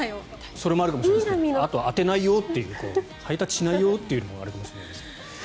それもあるかもしれないですがあと、当てないよっていうハイタッチしないよというのもあるかも。